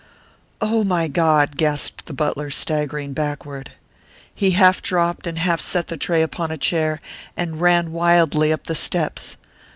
"Oh, my God!" gasped the butler, staggering backward. He half dropped and half set the tray upon a chair, and ran wildly up the steps.